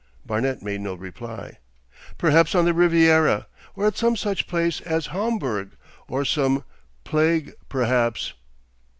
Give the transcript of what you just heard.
Barnet made no reply. 'Perhaps on the Riviera. Or at some such place as Homburg. Or some place perhaps.